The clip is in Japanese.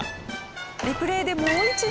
リプレーでもう一度。